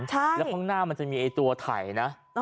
แล้วข้างหน้ามันจะมีตัวไถ่นะ